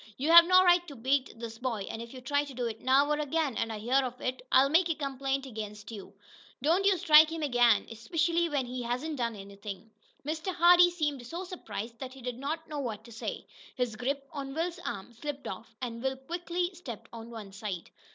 You have no right to beat this boy, and if you try to do it now, or again, and I hear of it, I'll make a complaint against you. Don't you strike him again, especially when he hasn't done anything." Mr. Hardee seemed so surprised that he did not know what to say. His grip on Will's arm slipped off, and Will quickly stepped to one side.